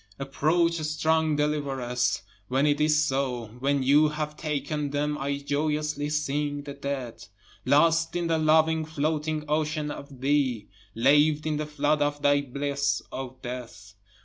Approach strong deliveress, When it is so, when you have taken them I joyously sing the dead, Lost in the loving floating ocean of thee, Laved in the flood of thy bliss, O death.